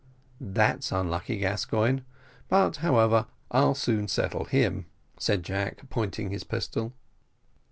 "That's unlucky, Gascoigne, but, however, I'll soon settle him," said Jack, pointing his pistol.